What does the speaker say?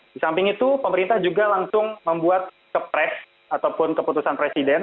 di samping itu pemerintah juga langsung membuat kepres ataupun keputusan presiden